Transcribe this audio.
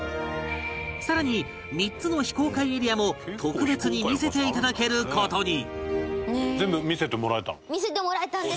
更に３つの非公開エリアも特別に見せていただける事に